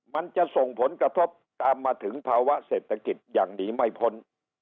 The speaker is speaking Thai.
มันจะส่งผลกระทบตามมาถึงภาวะเศรษฐกิจอย่างหนีไม่พ้น